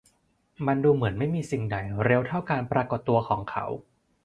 มันดูเหมือนไม่มีสิ่งใดเร็วเท่าการปรากฏตัวของเขา